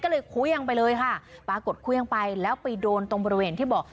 ก็เลยเครื่องไปเลยค่ะปรากฏเครื่องไปแล้วไปโดนตรงบริเวณที่บอก